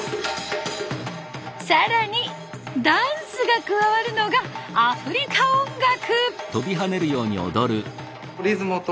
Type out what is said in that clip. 更にダンスが加わるのがアフリカ音楽。